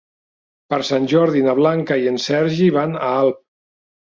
Per Sant Jordi na Blanca i en Sergi van a Alp.